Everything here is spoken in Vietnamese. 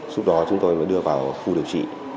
lúc đó chúng tôi mới đưa vào khu điều trị